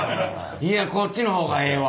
いやこっちの方がええわ。